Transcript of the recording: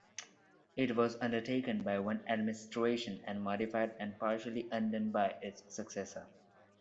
It was undertaken by one administration, and modified and partially undone by its successor.